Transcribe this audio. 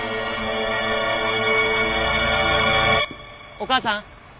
お母さん。